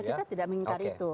kita tidak mengingatkan itu